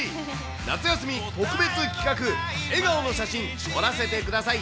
夏休み特別企画、笑顔の写真撮らせてください